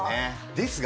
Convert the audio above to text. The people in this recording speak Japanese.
ですが